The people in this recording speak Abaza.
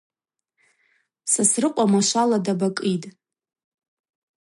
Сосрыкъва машвала дабакӏитӏ.